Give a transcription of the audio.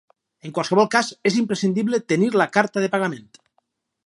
En qualsevol cas és imprescindible tenir la carta de pagament.